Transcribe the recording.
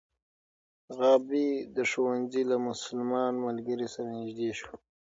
غابي د ښوونځي له مسلمان ملګري سره نژدې شو.